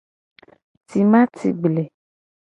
Timati gble.